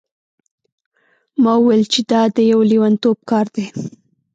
ما وویل چې دا د یو لیونتوب کار دی.